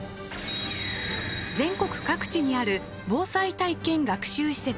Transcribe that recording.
全国各地にある防災体験学習施設。